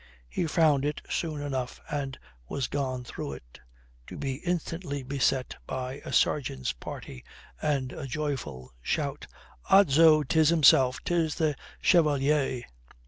He found it soon enough and was going through it to be instantly beset by a sergeant's party and a joyful shout, "Odso, 'tis himself, 'tis the Chevalier."